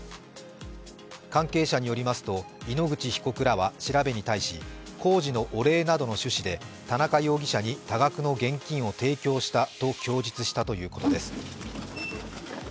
関係者によりますと、井ノ口被告らは調べに対し工事のお礼などの趣旨で田中容疑者から多額の現金を提供したと供述したということです。